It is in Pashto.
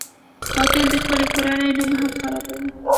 قاتل د خپلې کورنۍ نوم هم خرابوي